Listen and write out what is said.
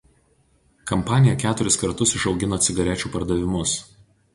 Kampanija keturis kartus išaugino cigarečių pardavimus.